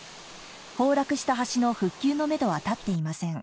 崩落した橋の復旧のめどは立っていません。